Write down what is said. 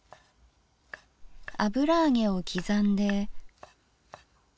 油揚げを刻んで。